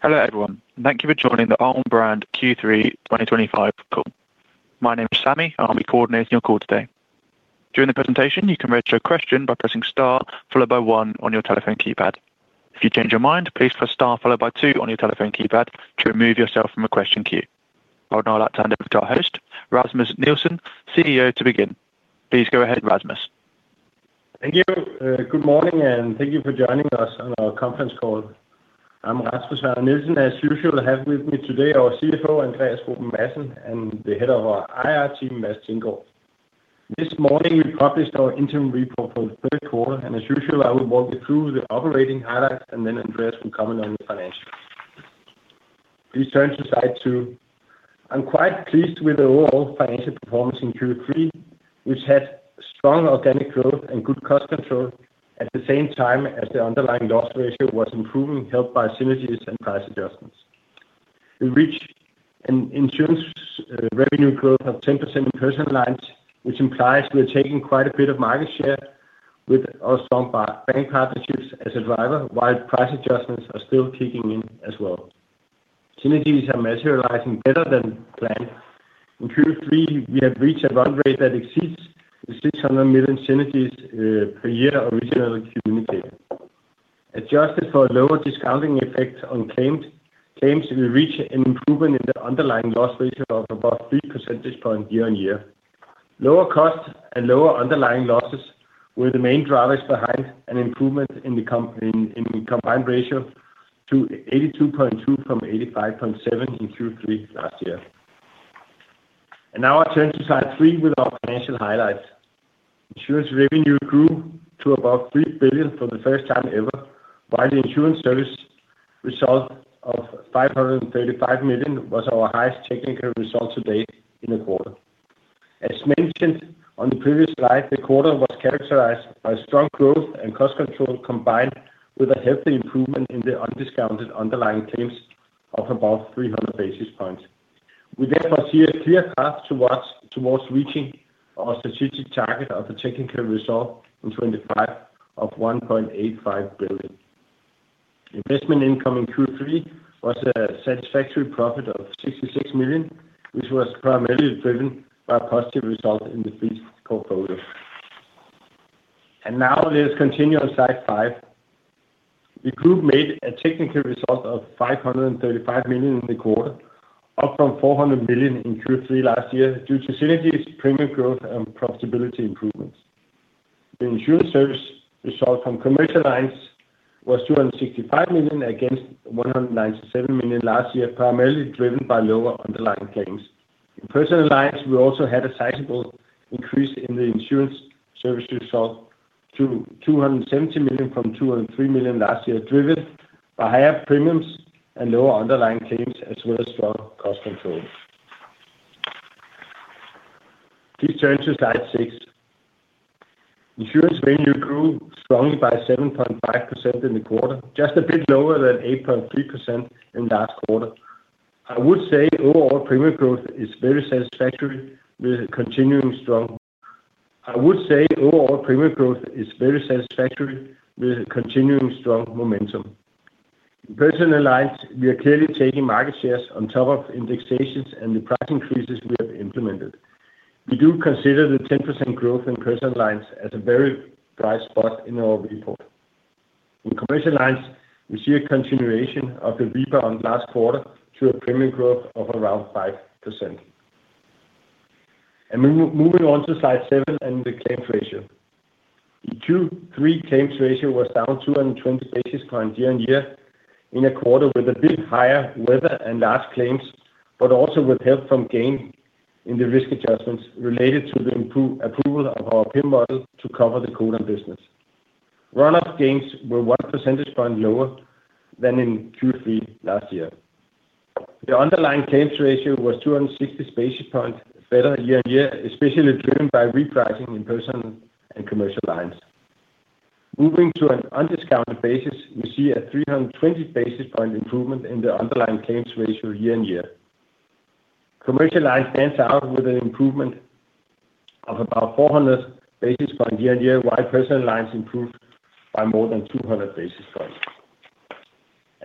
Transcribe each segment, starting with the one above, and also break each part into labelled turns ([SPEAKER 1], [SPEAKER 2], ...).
[SPEAKER 1] Hello everyone, and thank you for joining the Alm. Brand Q3 2025 call. My name is Sammy, and I'll be coordinating your call today. During the presentation, you can register a question by pressing star followed by one on your telephone keypad. If you change your mind, please press star followed by two on your telephone keypad to remove yourself from a question queue. I would now like to hand over to our host, Rasmus Nielsen, CEO, to begin. Please go ahead, Rasmus.
[SPEAKER 2] Thank you. Good morning, and thank you for joining us on our conference call. I'm Rasmus Werner Nielsen. As usual, I have with me today our CFO, Andreas Ruben Madsen, and the Head of our IR team, Mads Thinggaard. This morning, we published our interim report for the third quarter, and as usual, I will walk you through the operating highlights, and then Andreas will comment on the financials. Please turn to slide two. I'm quite pleased with the overall financial performance in Q3, which had strong organic growth and good cost control at the same time as the underlying loss ratio was improving, helped by synergies and price adjustments. We reached an insurance revenue growth of 10% in Personal Lines Insurance, which implies we're taking quite a bit of market share with our strong bank partnerships as a driver, while price adjustments are still kicking in as well. Synergies are materializing better than planned. In Q3, we have reached a run rate that exceeds the 600 million synergies per year originally communicated. Adjusted for a lower discounting effect on claims, we reached an improvement in the underlying loss ratio of about 3 percentage points year on year. Lower costs and lower underlying losses were the main drivers behind an improvement in the combined ratio to 82.2% from 85.7% in Q3 last year. I now turn to slide three with our financial highlights. Insurance revenue grew to about 3 billion for the first time ever, while the insurance service result of 535 million was our highest technical result to date in the quarter. As mentioned on the previous slide, the quarter was characterized by strong growth and cost control, combined with a healthy improvement in the undiscounted underlying claims of about 300 basis points. We therefore see a clear path towards reaching our strategic target of a technical result in 2025 of 1.85 billion. Investment income in Q3 was a satisfactory profit of 66 million, which was primarily driven by a positive result in the fleet portfolio. Now let us continue on slide five. The group made a technical result of 535 million in the quarter, up from 400 million in Q3 last year due to synergies, premium growth, and profitability improvements. The insurance service result from Commercial Lines Insurance was 265 million against 197 million last year, primarily driven by lower underlying claims. In Personal Lines, we also had a sizable increase in the insurance service result to 270 million from 203 million last year, driven by higher premiums and lower underlying claims, as well as strong cost control. Please turn to slide six. Insurance revenue grew strongly by 7.5% in the quarter, just a bit lower than 8.3% in the last quarter. I would say overall premium growth is very satisfactory with continuing strong momentum. In Personal Lines, we are clearly taking market shares on top of indexations and the price increases we have implemented. We do consider the 10% growth in Personal Lines as a very bright spot in our report. In Commercial Lines, we see a continuation of the rebound last quarter to a premium growth of around 5%. Moving on to slide seven and the claims ratio. The Q3 claims ratio was down 220 basis points year on year in a quarter with a bit higher weather and large claims, but also with help from gain in the risk adjustments related to the approval of our PIM Model to cover the Codan business. Runoff gains were 1 percentage point lower than in Q3 last year. The underlying claims ratio was 260 basis points better year on year, especially driven by repricing in Personal and Commercial Lines. Moving to an undiscounted basis, we see a 320 basis point improvement in the underlying claims ratio year on year. Commercial Lines stand out with an improvement of about 400 basis points year on year, while Personal Lines improved by more than 200 basis points.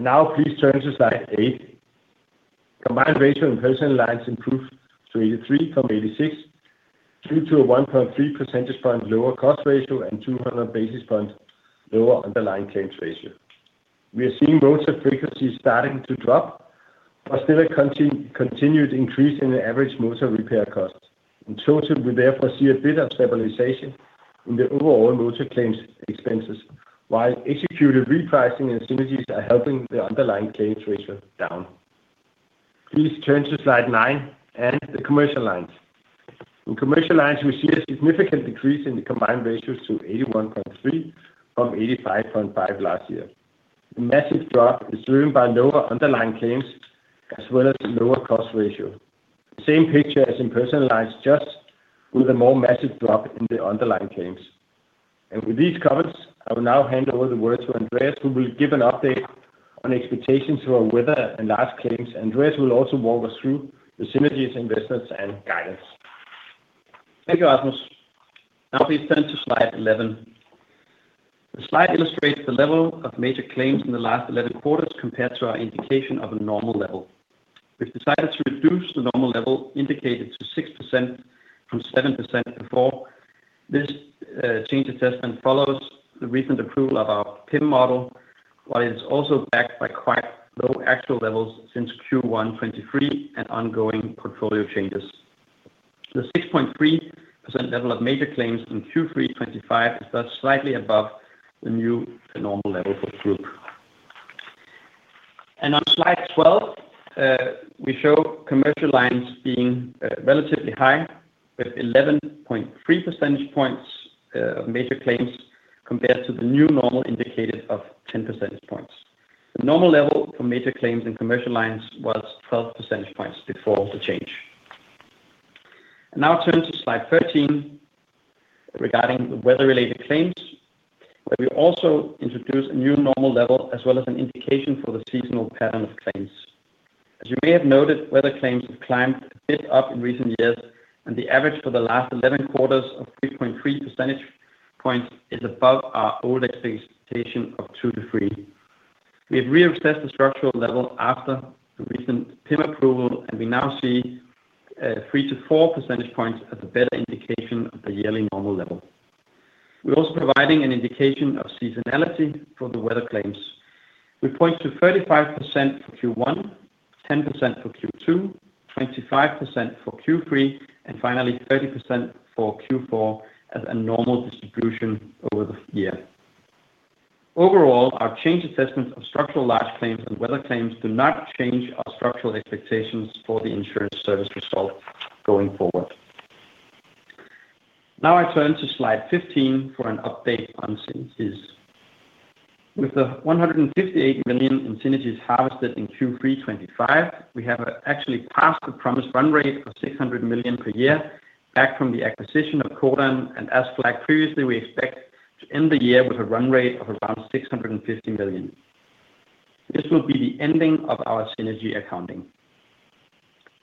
[SPEAKER 2] Now please turn to slide eight. Combined ratio in Personal Lines improved to 83 from 86 due to a 1.3 percentage point lower cost ratio and 200 basis points lower underlying claims ratio. We are seeing motor frequency starting to drop, but still a continued increase in the average motor repair cost. In total, we therefore see a bit of stabilization in the overall motor claims expenses, while executed repricing and synergies are helping the underlying claims ratio down. Please turn to slide nine and the Commercial Lines. In Commercial Lines, we see a significant decrease in the combined ratio to 81.3 from 85.5 last year. The massive drop is driven by lower underlying claims, as well as lower cost ratio. The same picture as in Personal Lines, just with a more massive drop in the underlying claims. With these comments, I will now hand over the word to Andreas, who will give an update on expectations for weather and large claims. Andreas will also walk us through the synergies, investments, and guidance.
[SPEAKER 3] Thank you, Rasmus. Now please turn to slide 11. The slide illustrates the level of major claims in the last 11 quarters compared to our indication of a normal level. We've decided to reduce the normal level indicated to 6% from 7% before. This change assessment follows the recent approval of our Partial Internal Model (PIM), while it's also backed by quite low actual levels since Q1 2023 and ongoing portfolio changes. The 6.3% level of major claims in Q3 2025 is thus slightly above the new normal level for the group. On slide 12, we show Commercial Lines Insurance being relatively high with 11.3 percentage points of major claims compared to the new normal indicated of 10 percentage points. The normal level for major claims in Commercial Lines Insurance was 12 percentage points before the change. Now turn to slide 13 regarding the weather-related claims, where we also introduced a new normal level as well as an indication for the seasonal pattern of claims. As you may have noted, weather claims have climbed a bit up in recent years, and the average for the last 11 quarters of 3.3 percentage points is above our old expectation of 2 percentage points-3 percentage points. We have reassessed the structural level after the recent PIM approval, and we now see 3-4 percentage points as a better indication of the yearly normal level. We're also providing an indication of seasonality for the weather claims. We point to 35% for Q1, 10% for Q2, 25% for Q3, and finally 30% for Q4 as a normal distribution over the year. Overall, our change assessments of structural large claims and weather claims do not change our structural expectations for the insurance service result going forward. Now I turn to slide 15 for an update on synergies. With the 158 million in synergies harvested in Q3 2025, we have actually passed the promised run rate of 600 million per year back from the acquisition of Cordan. As flagged previously, we expect to end the year with a run rate of around 650 million. This will be the ending of our synergy accounting.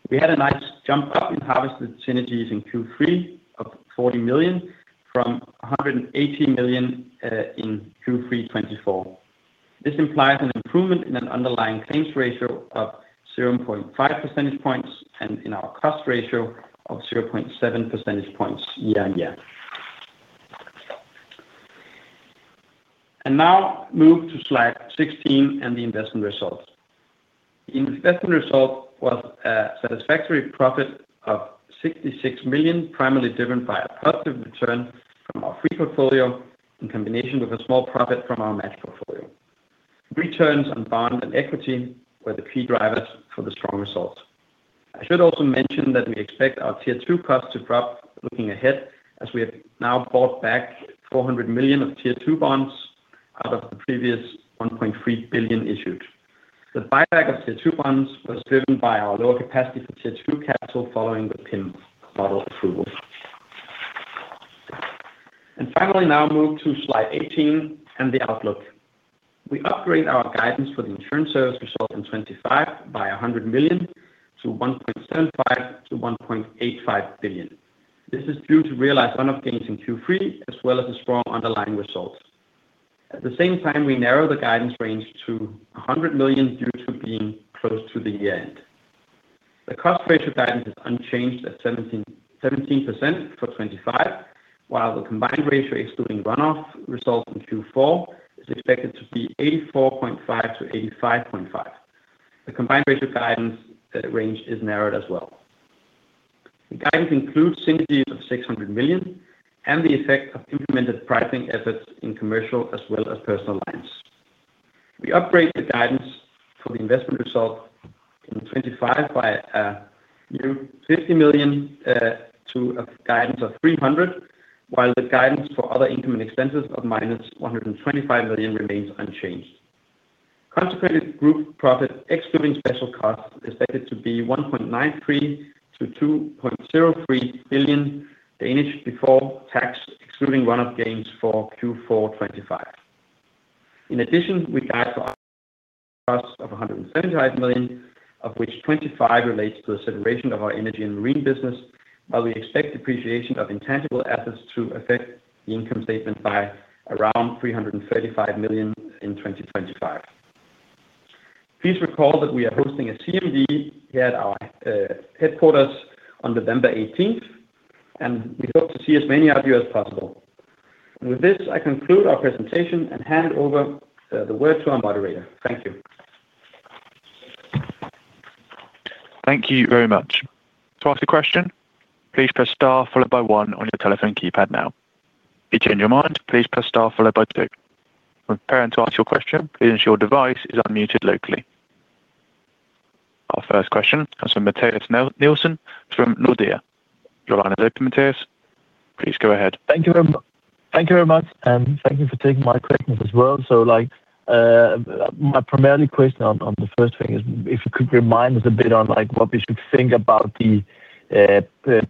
[SPEAKER 3] We had a nice jump up in harvested synergies in Q3 of 40 million from 180 million in Q3 2024. This implies an improvement in an underlying claims ratio of 0.5 percentage points and in our cost ratio of 0.7 percentage points year on year. Now move to slide 16 and the investment result. The investment result was a satisfactory profit of 66 million, primarily driven by a positive return from our free portfolio in combination with a small profit from our match portfolio. Returns on bond and equity were the key drivers for the strong results. I should also mention that we expect our tier two costs to drop looking ahead, as we have now bought back 400 million of tier two bonds out of the previous 1.3 billion issued. The buyback of tier two bonds was driven by our lower capacity for tier two capital following the PIM Model approval. Now move to slide 18 and the outlook. We upgraded our guidance for the insurance service result in 2025 by 100 million to 1.75 billion-1.85 billion. This is due to realized runoff gains in Q3, as well as a strong underlying result. At the same time, we narrowed the guidance range to 100 million due to being close to the year end. The cost ratio guidance is unchanged at 17% for 2025, while the combined ratio excluding runoff result in Q4 is expected to be 84.5%-85.5%. The combined ratio guidance range is narrowed as well. The guidance includes synergies of 600 million and the effect of implemented pricing efforts in Commercial Lines Insurance as well as Personal Lines Insurance. We upgraded the guidance for the investment result in 2025 by a new 50 million to a guidance of 300 million, while the guidance for other income and expenses of -125 million remains unchanged. Consequently, the group profit excluding special costs is expected to be 1.93 billion-2.03 billion before tax, excluding runoff gains for Q4 2025. In addition, we guide for costs of 175 million, of which 25 million relates to the separation of our Energy and Marine business, while we expect depreciation of intangible assets to affect the income statement by around 335 million in 2025. Please recall that we are hosting a CMD here at our headquarters on November 18, and we hope to see as many of you as possible. With this, I conclude our presentation and hand over the word to our moderator. Thank you.
[SPEAKER 1] Thank you very much. To ask a question, please press star followed by one on your telephone keypad now. If you change your mind, please press star followed by two. When preparing to ask your question, please ensure your device is unmuted locally. Our first question comes from Mathias Nielsen from Nordea. Your line is open, Mathias. Please go ahead.
[SPEAKER 4] Thank you very much, and thank you for taking my questions as well. My primary question on the first thing is if you could remind us a bit on what we should think about the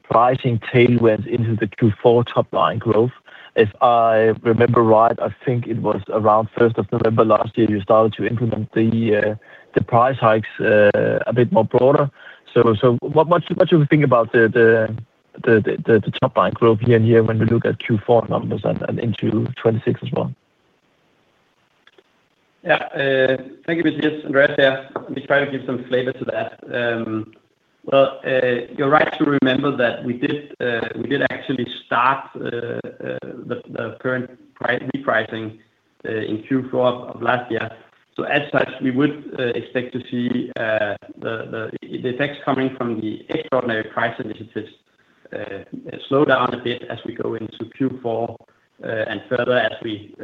[SPEAKER 4] pricing tailwinds into the Q4 top-line growth. If I remember right, I think it was around November 1 last year you started to implement the price hikes a bit more broadly. How much do you think about the top-line growth year on year when we look at Q4 numbers and into 2026 as well?
[SPEAKER 3] Thank you, Mikael. Andreas, I'll try to give some flavor to that. You're right to remember that we did actually start the current price repricing in Q4 of last year. As such, we would expect to see the effects coming from the extraordinary price initiatives slow down a bit as we go into Q4, and further as we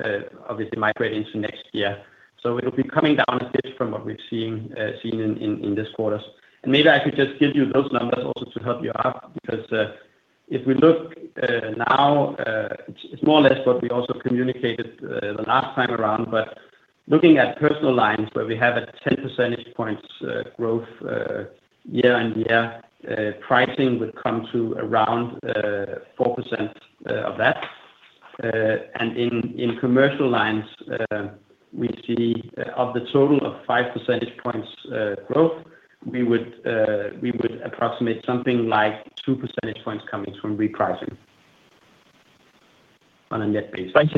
[SPEAKER 3] obviously migrate into next year. It'll be coming down a bit from what we've seen in this quarter. Maybe I could just give you those numbers also to help you out because, if we look now, it's more or less what we also communicated the last time around. Looking at Personal Lines Insurance where we have a 10% growth year on year, pricing would come to around 4% of that. In Commercial Lines Insurance, we see, of the total of 5% growth, we would approximate something like 2% coming from repricing on a net basis.
[SPEAKER 4] Thank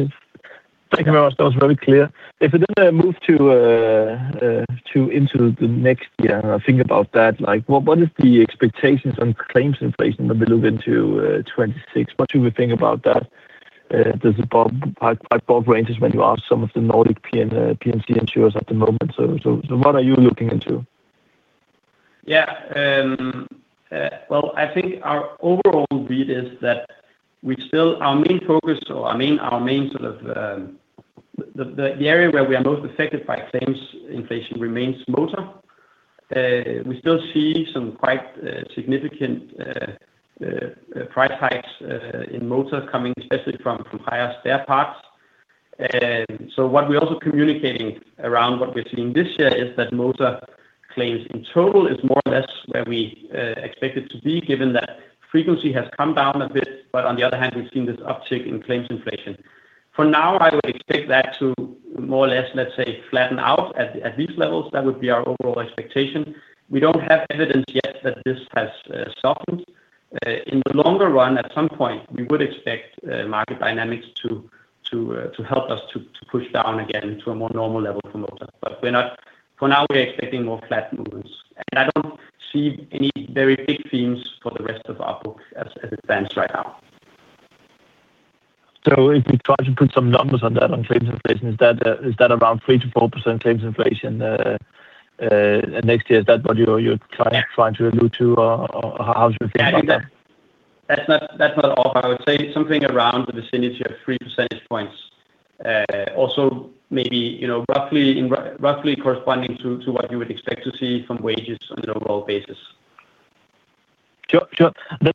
[SPEAKER 4] you. Thank you very much. That was very clear. If we then move into the next year and think about that, what is the expectation on claims inflation when we look into 2026? What do we think about that? Does it bump up or bump down when you ask some of the Nordic P&C insurers at the moment? What are you looking into?
[SPEAKER 3] I think our overall read is that we still, our main focus or our main, our main sort of, the area where we are most affected by claims inflation remains motor. We still see some quite significant price hikes in motor coming, especially from higher spare parts. What we're also communicating around what we're seeing this year is that motor claims in total is more or less where we expect it to be, given that frequency has come down a bit. On the other hand, we've seen this uptick in claims inflation. For now, I would expect that to more or less, let's say, flatten out at these levels. That would be our overall expectation. We don't have evidence yet that this has softened. In the longer run, at some point, we would expect market dynamics to help us to push down again to a more normal level for motor. For now, we're expecting more flat movements. I don't see any very big themes for the rest of our book as it stands right now.
[SPEAKER 4] If you try to put some numbers on that, on claims inflation, is that around 3% to 4% claims inflation next year? Is that what you're trying to allude to, or how do you think about that?
[SPEAKER 3] That's not all. I would say something around the vicinity of 3% also maybe, you know, roughly corresponding to what you would expect to see from wages on an overall basis.
[SPEAKER 4] Sure.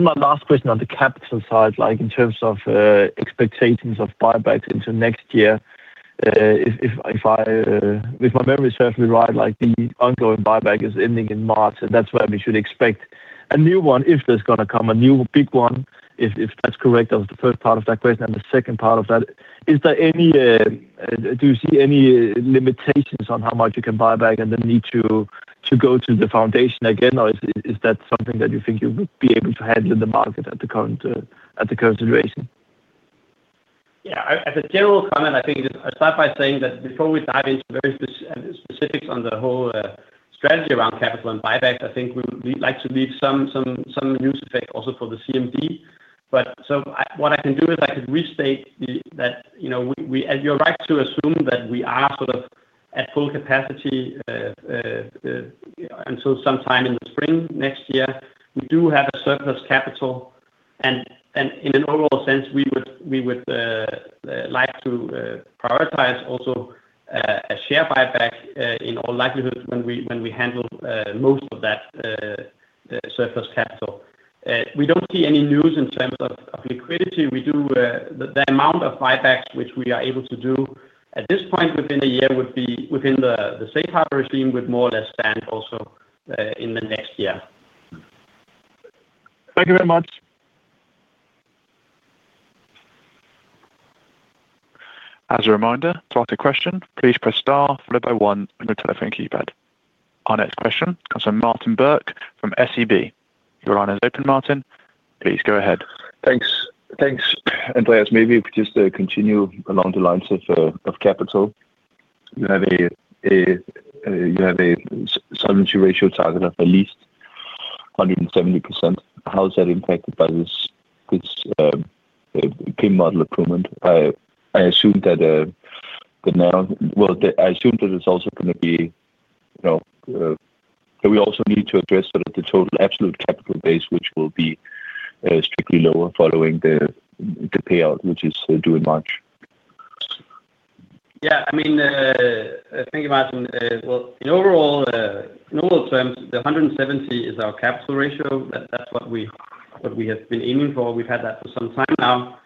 [SPEAKER 4] My last question on the capital side, in terms of expectations of buybacks into next year, if my memory serves me right, the ongoing buyback is ending in March, and that's where we should expect a new one if there's going to come a new big one, if that's correct. That was the first part of that question. The second part of that, is there any, do you see any limitations on how much you can buy back and then need to go to the foundation again, or is that something that you think you would be able to handle in the market at the current situation?
[SPEAKER 3] Yeah. As a general comment, I think I'll start by saying that before we dive into specifics on the whole strategy around capital and buybacks, I think we'd like to leave some use effect also for the CMD. What I can do is I could restate that, you know, we, we, and you're right to assume that we are sort of at full capacity until sometime in the spring next year. We do have a surplus capital, and in an overall sense, we would like to prioritize also a share buyback, in all likelihood when we handle most of that surplus capital. We don't see any news in terms of liquidity. The amount of buybacks which we are able to do at this point within a year would be within the safe harbor regime and would more or less stand also in the next year.
[SPEAKER 4] Thank you very much.
[SPEAKER 1] As a reminder, to ask a question, please press star followed by one on your telephone keypad. Our next question comes from Martin Parkhøi from SEB. Your line is open, Martin. Please go ahead.
[SPEAKER 5] Thanks. Andreas, maybe we could just continue along the lines of capital. You have a solvency ratio target of at least 170%. How is that impacted by this PIM Model improvement? I assume that it's also going to be, you know, can we also need to address sort of the total absolute capital base, which will be strictly lower following the payout, which is due in March?
[SPEAKER 3] Thank you, Martin. In overall terms, the 170 is our capital ratio. That's what we have been aiming for. We've had that for some time now.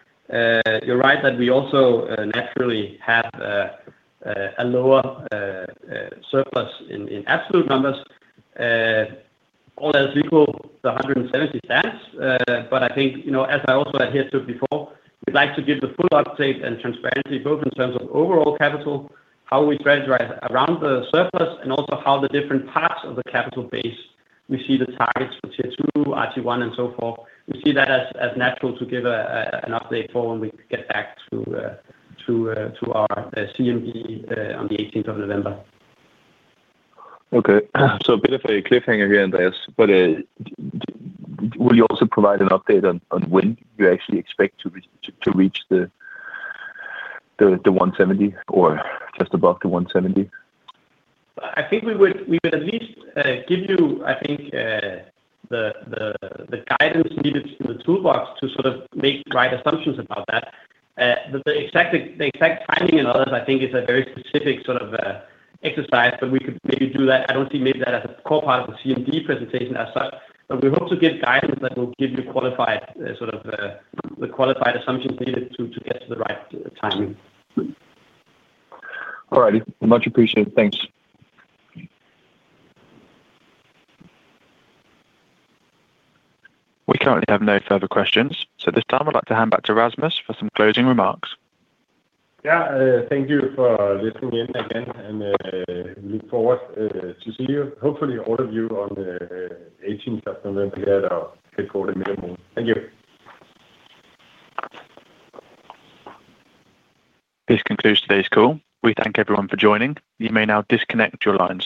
[SPEAKER 3] You're right that we also, naturally, have a lower surplus in absolute numbers. All else equal, the 170 stands. I think, as I also adhere to before, we'd like to give the full update and transparency, both in terms of overall capital, how we strategize around the surplus, and also how the different parts of the capital base, we see the targets for tier two, RT1, and so forth. We see that as natural to give an update for when we get back to our CMD on the 18th of November.
[SPEAKER 5] Okay, a bit of a cliffhanger here, Andreas, but will you also provide an update on when you actually expect to reach the 170 or just above the 170?
[SPEAKER 3] I think we would at least give you the guidance needed in the toolbox to sort of make right assumptions about that. The exact timing and others, I think, is a very specific sort of exercise, but we could maybe do that. I don't see that as a core part of the CMD presentation as such. We hope to give guidance that will give you the qualified assumptions needed to get to the right timing.
[SPEAKER 5] All right. Much appreciated. Thanks.
[SPEAKER 1] We currently have no further questions. At this time, I'd like to hand back to Rasmus for some closing remarks.
[SPEAKER 2] Thank you for listening in again, and we look forward to seeing you, hopefully, all of you on the 18th of November here at our headquarter meeting room. Thank you.
[SPEAKER 1] This concludes today's call. We thank everyone for joining. You may now disconnect your lines.